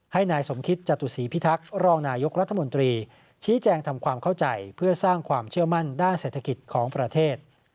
ให้นายสมคิตจตุศีพิทักษ์รองนายกรัฐมนตรีชี้แจงทำความเข้าใจเพื่อสร้างความเชื่อมั่นด้านเศรษฐกิจของประเทศ